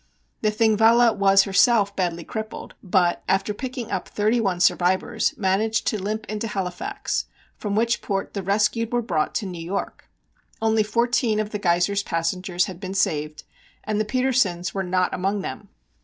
The Thingvalla was herself badly crippled, but, after picking up thirty one survivors, managed to limp into Halifax, from which port the rescued were brought to New York. Only fourteen of the Geiser's passengers had been saved and the Petersens were not among them.